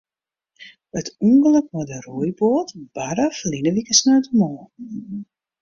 It ûngelok mei de roeiboat barde ferline wike sneontemoarn.